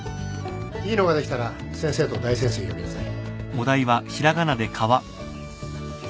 いいのができたら先生と大先生を呼びなさい。